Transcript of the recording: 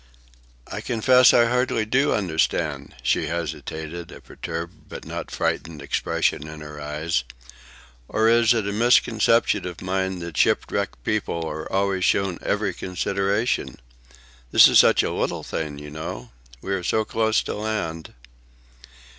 "I—I confess I hardly do understand," she hesitated, a perturbed but not frightened expression in her eyes. "Or is it a misconception of mine that shipwrecked people are always shown every consideration? This is such a little thing, you know. We are so close to land."